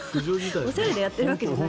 おしゃれでやってるわけじゃなかった。